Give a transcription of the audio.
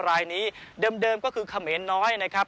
รายนี้เดิมก็คือเขมรน้อยนะครับ